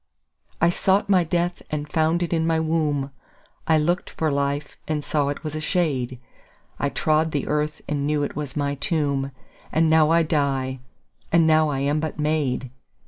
13I sought my death and found it in my womb,14I lookt for life and saw it was a shade,15I trode the earth and knew it was my tomb,16And now I die, and now I am but made.